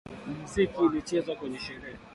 Mziki ilichezwa kwenye sherehe.